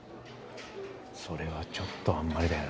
それはちょっとあんまりだよなあ。